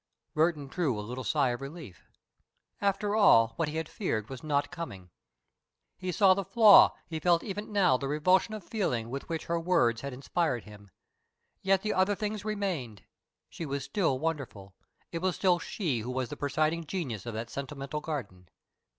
Burton drew a little sigh of relief. After all, what he had feared was not coming. He saw the flaw, he felt even now the revulsion of feeling with which her words had inspired him. Yet the other things remained. She was still wonderful. It was still she who was the presiding genius of that sentimental garden.